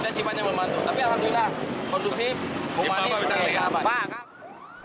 kita sifatnya membantu tapi alhamdulillah kondusif umum dan disahabat